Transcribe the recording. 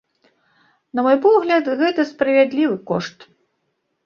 На мой погляд, гэта справядлівы кошт.